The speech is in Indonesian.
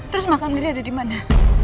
terus makam ini ada dimana